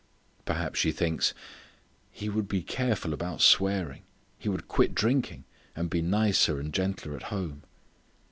Perhaps she thinks: "He would be careful about swearing; he would quit drinking; and be nicer and gentler at home."